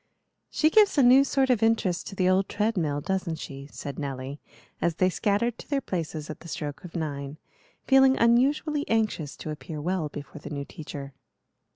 "She gives a new sort of interest to the old treadmill, doesn't she?" said Nelly, as they scattered to their places at the stroke of nine, feeling unusually anxious to appear well before the new teacher.